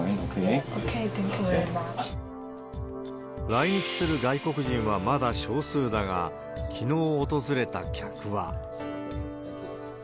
来日する外国人はまだ少数だが、きのう訪れた客は。